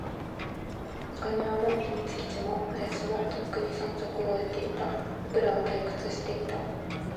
中庭も、秘密基地も、林も、とっくに探索を終えていた。僕らは退屈していた。